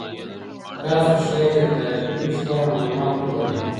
تاسو ته ښایي چي د تاریخي پېښو په اړه معلومات ولرئ.